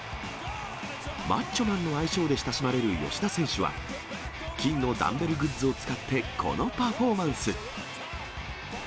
マッチョマンの愛称で親しまれる吉田選手は、金のダンベルグッズを使って、このパフォーマンス。